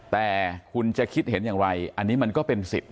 แต่คุณจะคิดเห็นอย่างไรอันนี้มันก็เป็นสิทธิ